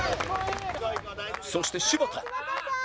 そして柴田